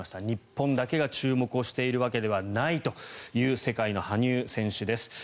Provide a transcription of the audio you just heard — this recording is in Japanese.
日本だけが注目をしているわけではないという世界の羽生選手です。